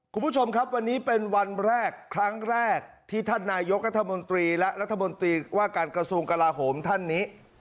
คุณผู้ชมครับวันนี้เป็นวันแรกครั้งแรกที่ท่านนายกรัฐมนตรีและรัฐมนตรีว่าการกระทรวงกลาโหมท่านนี้